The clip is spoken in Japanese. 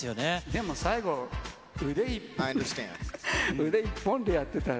でも最後、腕一本でやってた。